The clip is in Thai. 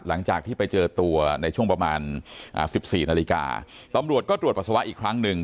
หลังจากที่ไปเจอตัวในช่วงประมาณอ่าสิบสี่นาฬิกาตำรวจก็ตรวจปัสสาวะอีกครั้งหนึ่ง